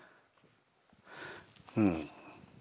うん。